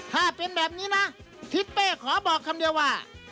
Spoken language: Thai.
ถ้าเป็นแบบนี้นะทิศเป้ขอบอกคำเดียวว่า